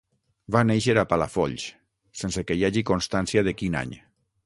Va néixer a Palafolls, sense que hi hagi constància de quin any.